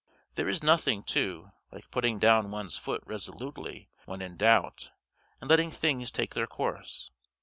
There is nothing, too, like putting down one's foot resolutely when in doubt, and letting things take their course.